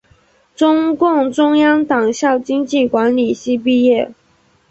中共中央党校经济管理系毕业。